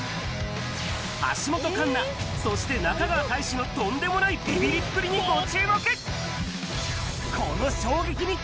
橋本環奈、そして中川大志のとんでもないびびりっぷりにご注目。